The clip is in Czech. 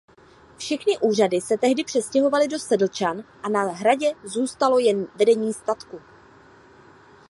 Všechny úřady se tehdy přestěhovaly do Sedlčan a na hradě zůstalo jen vedení statku.